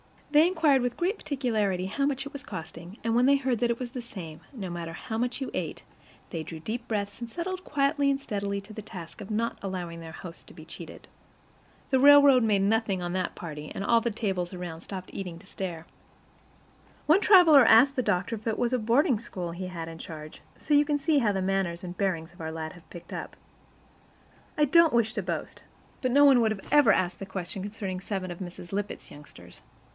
They inquired with great particularity how much it was costing, and when they heard that it was the same, no matter how much you ate, they drew deep breaths and settled quietly and steadily to the task of not allowing their host to be cheated. The railroad made nothing on that party, and all the tables around stopped eating to stare. One traveler asked the doctor if it was a boarding school he had in charge; so you can see how the manners and bearing of our lads have picked up. I don't wish to boast, but no one would ever have asked such a question concerning seven of Mrs. Lippett's youngsters.